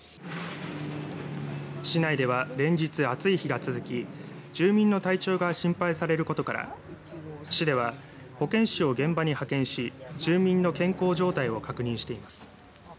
市内では連日暑い日が続き住民の体調が心配されることから市では保健師を現場に派遣し住民の健康状態を確認しています。